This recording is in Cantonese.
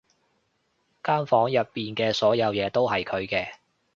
間房入面嘅所有嘢都係佢嘅